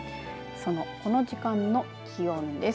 この時間の気温です。